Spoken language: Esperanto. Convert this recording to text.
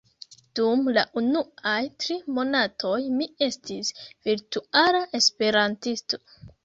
dum la unuaj tri monatoj mi estis virtuala esperantisto